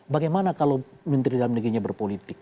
bagaimana kalau menteri dalam negerinya berpolitik